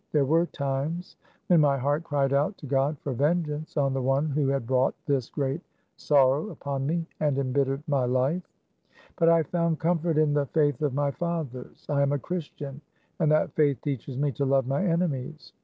There were times when my heart cried out to God for vengeance on the one who had brought this great sorrow upon me, and em bittered my life : but I found comfort in the faith of my fathers ; I am a Christian, and that faith teaches me to love my enemies.